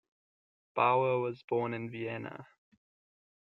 Bauer was born in Vienna.